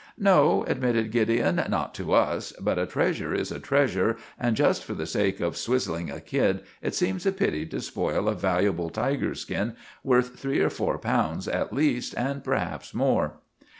"No," admitted Gideon, "not to us; but a treasure is a treasure, and just for the sake of swizzling a kid it seems a pity to spoil a valuable tiger skin worth three or four pounds at least, and perhaps more."